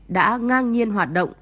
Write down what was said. đã ngang nhiên hoạt động